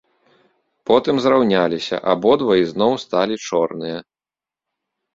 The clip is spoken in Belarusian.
Потым зраўняліся, абодва ізноў сталі чорныя.